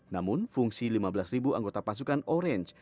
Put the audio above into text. namun fungsi lima belas anggota pasukan orange